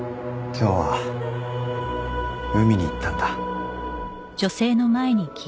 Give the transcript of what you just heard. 今日は海に行ったんだ